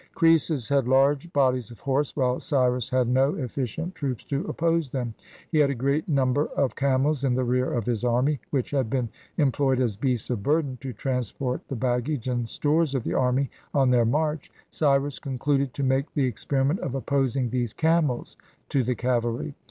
Croesus had large bodies of horse, while Cyrus had no efficient troops to oppose them. He had a great number of camels in the rear of his army, which had been em ployed as beasts of burden to transport the baggage and stores of the army on their march. Cyrus concluded to make the experiment of opposing these camels to the cavalry.